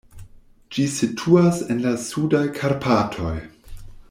Ĝi situas en la Sudaj Karpatoj.